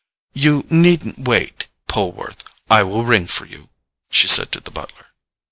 "You needn't wait, Poleworth—I will ring for you," she said to the butler.